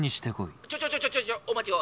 「ちょちょちょちょお待ちを！